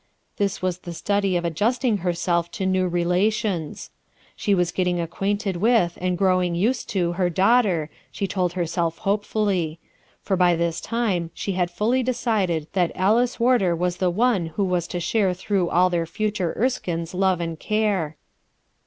This was the study of ad justing herself to new relations. She was get ting acquainted with and growing used to her daughter, she told herself hopefully ; for by this time she had fully decided that Alice Warder was the one who was to share through all their future Erskine's love and care.